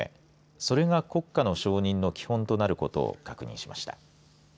それが国家の承認の基本となることを確認しました。